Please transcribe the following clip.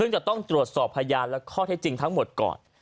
ซึ่งจะต้องตรวจสอบพยานและข้อเท็จจริงทั้งหมดก่อน